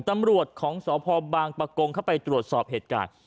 ตำรวจของสพบางประกงเข้าไปตรวจสอบเหตุการณ์